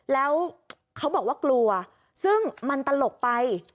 แล้วเขาบอกว่ากลัวซึ่งมันตลกไป